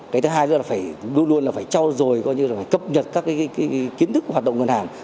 cái thứ hai là phải luôn luôn là phải cho rồi gọi như là phải cấp nhật các cái kiến thức hoạt động ngân hàng